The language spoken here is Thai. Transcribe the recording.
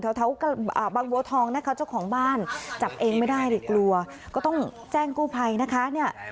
แถวบางบัวทองนะคะเจ้าของบ้านจับเองไม่ได้เลยกลัวก็ต้องแจ้งกู้ภัยนะคะเนี่ย